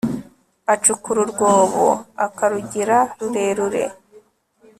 acukura urwobo, akarugira rurerure